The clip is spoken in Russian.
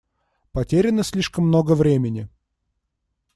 Потеряно слишком много времени.